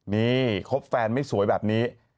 นี่คบแฟนไม่สวยแบบนี้